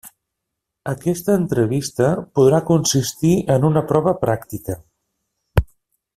Aquesta entrevista podrà consistir en una prova pràctica.